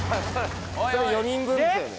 それ４人分ですよね？